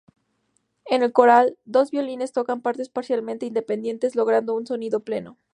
En el coral, dos violines tocan partes parcialmente independientes, logrando un sonido pleno.